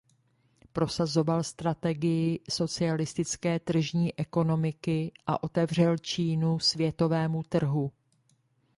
Prosazoval strategii „socialistické tržní ekonomiky“ a otevřel Čínu světovému trhu.